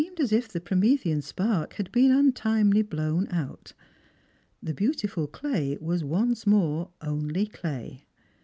63 as if the Promethean spark had been untimely blown out. The beautiful clay was once more only clay.